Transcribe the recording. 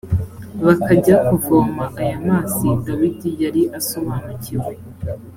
bakajya kuvoma aya mazi dawidi yari asobanukiwe